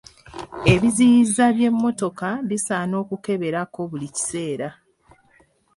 Ebiziyiza by'emmotoka bisaana okukeberako buli kiseera.